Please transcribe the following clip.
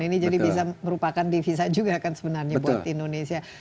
ini bisa merupakan divisa juga kan sebenarnya buat indonesia